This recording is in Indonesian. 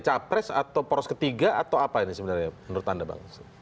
capres atau poros ketiga atau apa ini sebenarnya menurut anda bang